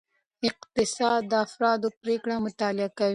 اقتصاد د افرادو پریکړې مطالعه کوي.